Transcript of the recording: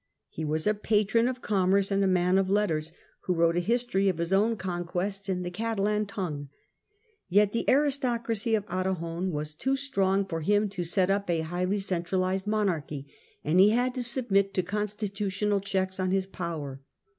He was a patron of commerce and a man of letters, who wrote a history of his own conquests in the Catalan tongue. Yet the aristocracy of Aragon was too strong SPAIN AND PORTUGAL 243 for him to build up a highly centralized monarchy, and he had to submit to constitutional checks on his power.